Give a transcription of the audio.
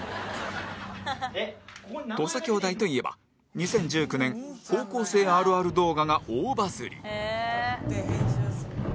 土佐兄弟といえば２０１９年高校生あるある動画が大バズリ